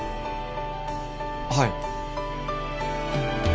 はい。